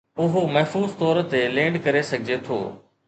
اهو محفوظ طور تي لينڊ ڪري سگهجي ٿو